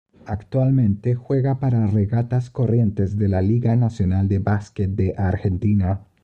Actualmente juega para Regatas Corrientes de la Liga Nacional de Básquet de Argentina.